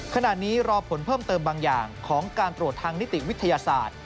ขณะนี้รอผลเพิ่มเติมบางอย่างของการตรวจทางนิติวิทยาศาสตร์